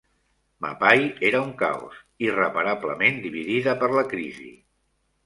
Mapai era un caos, irreparablement dividida per la crisi.